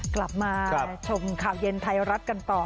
กลับมาชมข่าวเย็นไทยรัฐกันต่อ